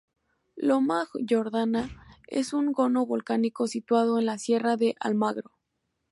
Loma Jordana, es un cono volcánico situado en la sierra de Almagro.